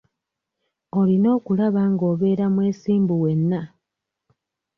Olina okulaba nga obeera mwesimbu wenna.